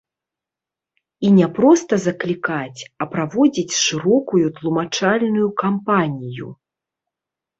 І не проста заклікаць, а праводзіць шырокую тлумачальную кампанію.